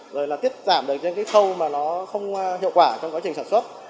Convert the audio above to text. rồi tiết giảm được trên khâu không hiệu quả trong quá trình sản xuất